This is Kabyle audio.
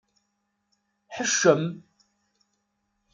Ḥeccem.